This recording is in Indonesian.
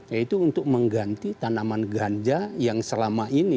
yaitu untuk mengganti tanaman ganja yang selama ini